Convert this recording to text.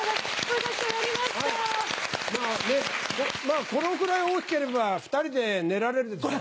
まぁこのくらい大きければ２人で寝られるでしょ。